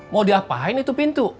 mau diapain itu pintu